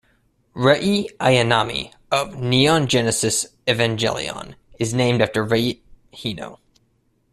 Rei Ayanami of "Neon Genesis Evangelion" is named after Rei Hino.